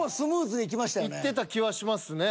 いってた気はしますね。